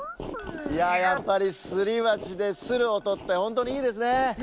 いややっぱりすりばちでするおとってほんとにいいですねえ。